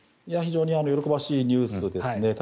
非常に喜ばしいニュースですね。